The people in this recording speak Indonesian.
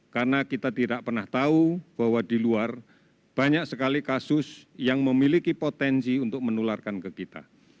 karena kita tidak pernah tahu bahwa di luar banyak sekali kasus yang memiliki potensi untuk menularkan ke kita